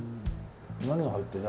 何が入ってんだ。